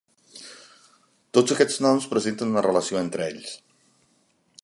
Tots aquests noms presenten una relació entre ells.